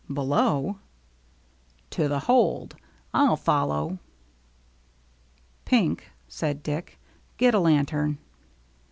"Below?" "To the hold. rU follow." " Pink," said Dick, " get a lantern."